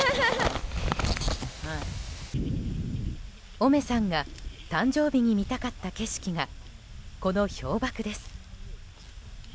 オメさんが誕生日に見たかった景色がこの氷瀑です。